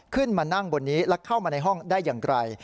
ขึ้นมานั่งบนนี้แล้วเข้ามาในห้องได้อย่างไร